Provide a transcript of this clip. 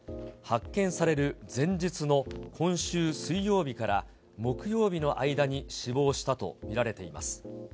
発見される前日の今週水曜日から、木曜日の間に死亡したと見られています。